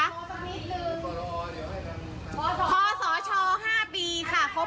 ขศ๕ปีค่ะพบรอบ